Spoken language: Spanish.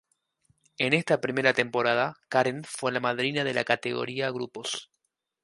En esta primera temporada Karen fue la madrina de la categoría Grupos.